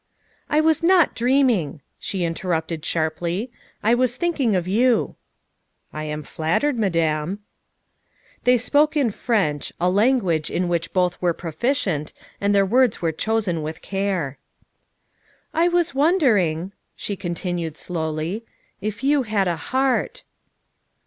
" I was not dreaming," she interrupted sharply, " I was thinking of you. ''" I am flattered, Madame." They spoke in French, a language in which both were proficient, and their words were chosen with care. " I was wondering," she continued slowly, " if you had a heart."